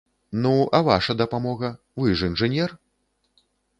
Ну, а ваша дапамога, вы ж інжынер?